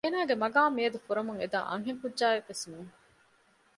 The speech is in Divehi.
އޭނާގެ މަގާމް މިއަދު ފުރަމުން އެދާ އަންހެންކުއްޖާއެއް ވެސް ނޫން